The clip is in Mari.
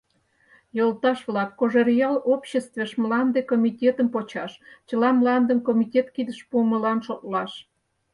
Йолташ-влак, Кожеръял обществеш мланде комитетым почаш, чыла мландым комитет кидыш пуымылан шотлаш.